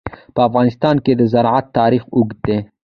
په افغانستان کې د زراعت تاریخ اوږد دی.